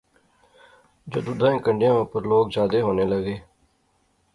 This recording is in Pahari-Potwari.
جدوں دائیں کنڈیاں اُپر لوک جادے ہونے لغے